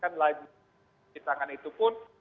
kan lagi cuci tangan itu pun